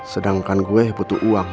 sedangkan gue butuh uang